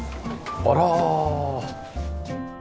あら！